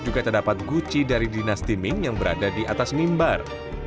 juga terdapat guci dari dinas di ming yang berada di atas mimbar